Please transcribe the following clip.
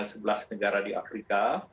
sebelas negara di afrika